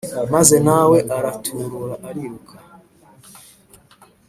maze nawe araturura ariruka